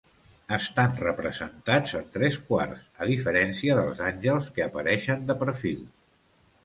Estan representats en tres quarts, a diferència dels àngels, que apareixen de perfil.